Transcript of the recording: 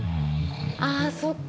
あぁそっか。